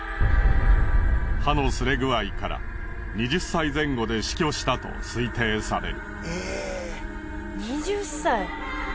歯の擦れ具合から２０歳前後で死去したと推定される。